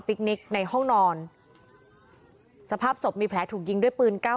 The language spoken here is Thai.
คนิคในห้องนอนสภาพศพมีแผลถูกยิงด้วยปืนเก้า